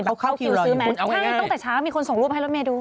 ตั้งแต่ช้ามีคนส่งรูปให้รถเมล์ดู